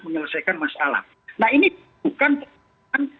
menyelesaikan masalah nah ini bukan persoalan